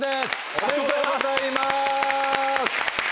おめでとうございます！